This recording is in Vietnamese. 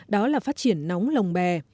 đó là phát triển nóng lòng bè